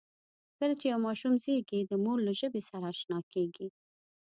کله چې یو ماشوم زېږي، د مور له ژبې سره آشنا کېږي.